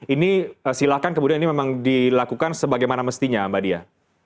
ini silakan kemudian ini memang dilakukan sebagaimana mestinya mbak dia